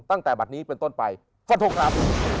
ตั้งแต่บัตรนี้เป็นต้นไปฟันทงครับ